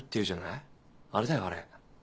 あれだよあれ。